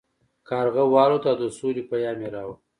کارغه والوت او د سولې پیام یې راوړ.